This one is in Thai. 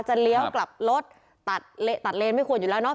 เลี้ยวกลับรถตัดเลนไม่ควรอยู่แล้วเนอ